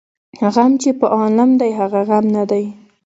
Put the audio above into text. ـ غم چې په عالم دى هغه غم نه دى.